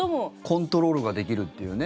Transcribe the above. コントロールができるっていうね。